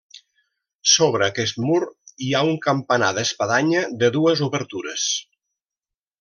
Sobre aquest mur hi ha un campanar d'espadanya de dues obertures.